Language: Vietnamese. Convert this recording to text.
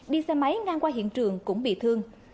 đi xe máy ngang qua hiện trường cũng bị thương